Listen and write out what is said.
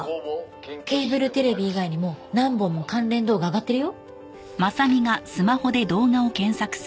ケーブルテレビ以外にも何本も関連動画上がってるよ。